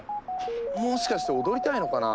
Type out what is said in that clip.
もしかして踊りたいのかな？